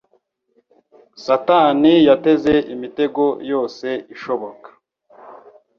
Satani yateze imitego yose ishoboka.